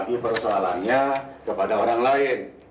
dia bisa membagi persoalannya kepada orang lain